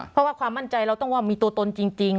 เพราะว่าความมั่นใจเราต้องว่ามีตัวตนจริง